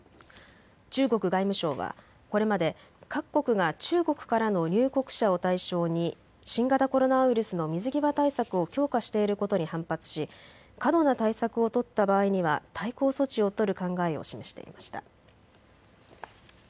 中国外務省はこれまで各国が中国からの入国者を対象に新型コロナウイルスの水際対策を強化していることに反発し過度な対策を取った場合には対抗措置を取る考えを示していました。